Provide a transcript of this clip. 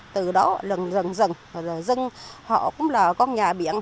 từ đó lần dần dần họ cũng là con nhà biển